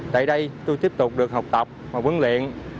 tại đây tôi tiếp tục được học tập và huấn luyện